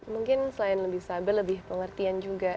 mungkin selain lebih sabar lebih pengertian juga